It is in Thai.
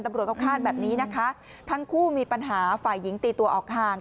ตำรวจเขาคาดแบบนี้นะคะทั้งคู่มีปัญหาฝ่ายหญิงตีตัวออกห่าง